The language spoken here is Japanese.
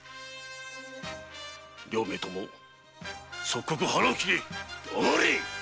両名とも即刻腹を切れっ！